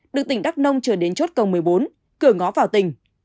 được tỉnh đắk nông trở đến chốt cầu một mươi bốn cửa ngó vào tỉnh